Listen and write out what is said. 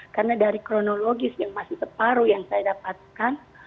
karena dari kronologis yang masih separuh yang saya dapatkan